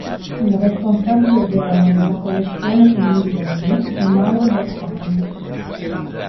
Il responsabile odierno della collezione "I millenni" è Mauro Bersani.